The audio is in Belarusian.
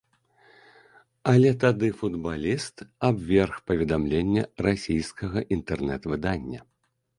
Але тады футбаліст абверг паведамленне расійскага інтэрнэт-выдання.